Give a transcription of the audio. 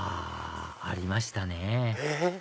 あありましたねえ？